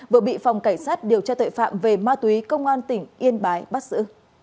vừa bị phòng cảnh sát điều tra tội phạm về ma túy công an tỉnh yên bái bắt giữ